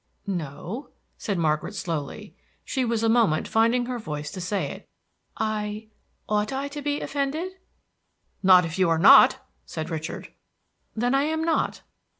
"No," said Margaret, slowly; she was a moment finding her voice to say it. "I ought I to be offended?" "Not if you are not!" said Richard. "Then I am not.